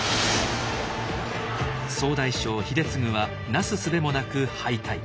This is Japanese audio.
総大将秀次はなすすべもなく敗退。